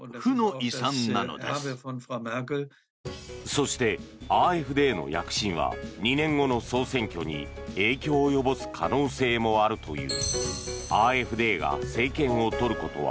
そして、ＡｆＤの躍進は２年後の総選挙に影響を及ぼす可能性もあるという。